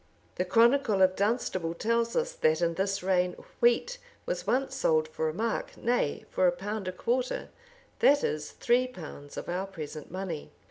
The Chronicle of Dunstable tells us, that in this reign wheat was once sold for a mark, nay, for a pound a quarter; that is, three pounds of our present money.